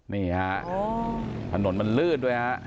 นี่ฮะถนนมันลื่นด้วยฮะ